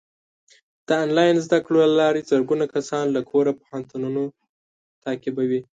د آنلاین زده کړو له لارې زرګونه کسان له کوره پوهنتونونه تعقیبوي.